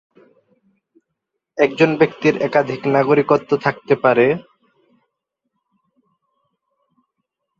একজন ব্যক্তির একাধিক নাগরিকত্ব থাকতে পারে।